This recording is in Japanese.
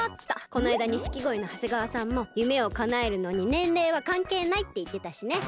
こないだにしきごいのはせがわさんも「ゆめをかなえるのにねんれいはかんけいない」っていってたしね。